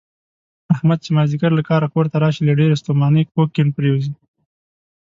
احمد چې مازدیګر له کاره کورته راشي، له ډېرې ستومانۍ کوږ کیڼ پرېوځي.